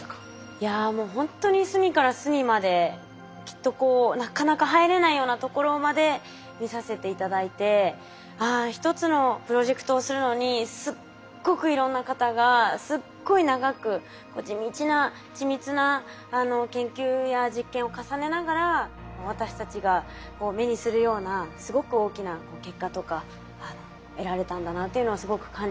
いやもうほんとに隅から隅まできっとなかなか入れないようなところまで見させて頂いてああ一つのプロジェクトをするのにすっごくいろんな方がすっごい長く地道な緻密な研究や実験を重ねながら私たちが目にするようなすごく大きな結果とか得られたんだなっていうのをすごく感じました。